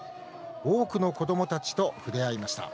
多くの子どもたちと触れ合いました。